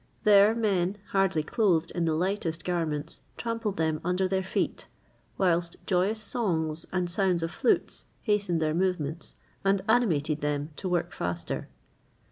There men, hardly clothed in the lightest garments, trampled them under their feet,[XXVIII 46] whilst joyous songs and sounds of flutes hastened their movements, and animated them to work faster.